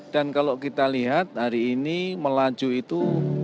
dan kalau kita lihat hari ini melaju itu